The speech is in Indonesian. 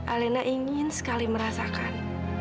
alena ingin sekali merasakan